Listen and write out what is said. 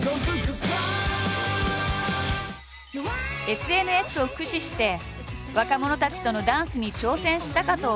ＳＮＳを駆使して若者たちとのダンスに挑戦したかと思えば。